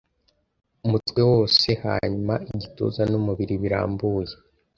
Umutwe wose hanyuma igituza n'umubiri birambuye